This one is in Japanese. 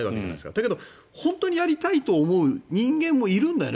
だけど本当にやりたいと思う人間はいるんだよね。